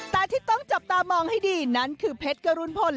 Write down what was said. แต่ที่ต้องจับตามองให้ดีนั้นคือเพชรกรุณพล